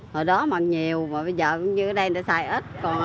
hồi đó mặc nhiều bây giờ cũng như ở đây người ta xài ít